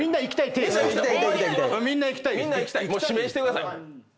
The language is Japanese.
指名してください。